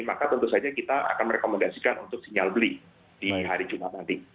maka tentu saja kita akan merekomendasikan untuk sinyal beli di hari jumat nanti